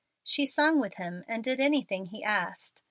She sung with him, and did anything he asked.